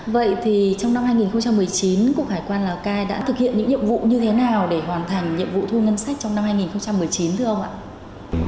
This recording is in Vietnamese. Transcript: vậy thì trong năm hai nghìn một mươi chín cục hải quan lào cai đã thực hiện những nhiệm vụ như thế nào để hoàn thành nhiệm vụ thu ngân sách trong năm hai nghìn một mươi chín thưa ông ạ